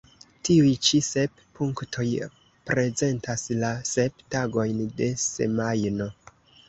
Tiuj ĉi sep punktoj prezentas la sep tagojn de semajno.